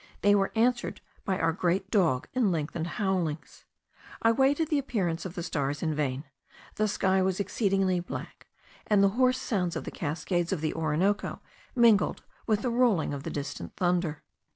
They were answered by our great dog in lengthened howlings. I waited the appearance of the stars in vain: the sky was exceedingly black; and the hoarse sounds of the cascades of the Orinoco mingled with the rolling of the distant thunder.